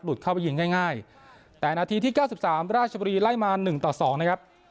เข้าไปยิงง่ายแต่นาทีที่๙๓ราชบุรีไล่มา๑ต่อ๒นะครับ